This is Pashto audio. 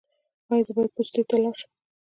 ایا زه باید پوستې ته لاړ شم؟